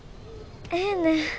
ええねん。